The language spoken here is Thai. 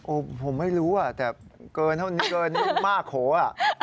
โอ้ผมไม่รู้อ่ะแต่เกินเท่านี้เกินนี่มักโหอ่ะ